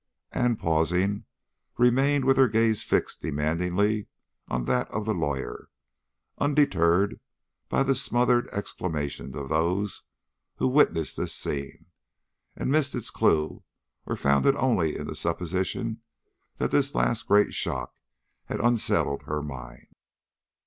and, pausing, remained with her gaze fixed demandingly on that of the lawyer, undeterred by the smothered exclamations of those who witnessed this scene and missed its clue or found it only in the supposition that this last great shock had unsettled her mind.